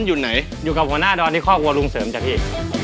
อยู่ไหนอยู่กับหัวหน้าดอนที่ครอบครัวลุงเสริมจ้ะพี่